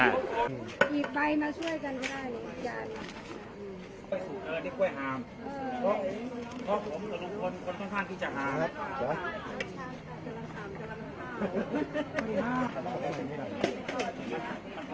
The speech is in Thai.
อีกใบมาช่วยกันกันได้ไหม